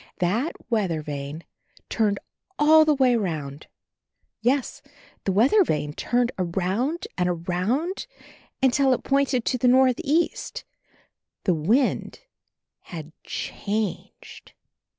That weather vane turned all the way round. Yes, the weather vane turned around and around, until it pointed to the northeast. The wind had changed